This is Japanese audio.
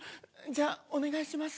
じゃあお願いします。